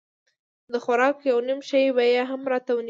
د خوراک يو نيم شى به يې هم راته رانيوه.